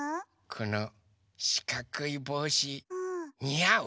このしかくいぼうしにあう？